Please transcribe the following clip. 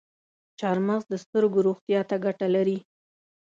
چارمغز د سترګو روغتیا ته ګټه لري.